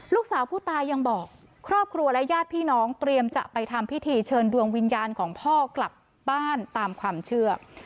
ลูกสาวผู้ตายยังบอกครอบครัวและญาติพี่น้องเตรียมจะไปทำพิธีเชิญดวงวิญญาณของพ่อกลับบ้านตามความเชื่อ